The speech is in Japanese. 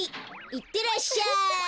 いってらっしゃい！